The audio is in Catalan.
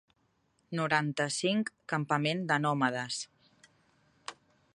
Noranta-cinc campament de nòmades.